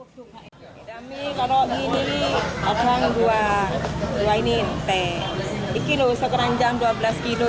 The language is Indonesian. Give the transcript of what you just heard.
tiga hari tidak habis loh bosok bosok